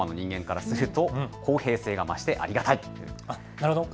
なるほど。